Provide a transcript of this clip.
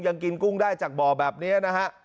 ยังกินกุ้งได้จากบ่อแบบนี้นะฮะ